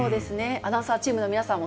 アナウンサーチームの皆さんも、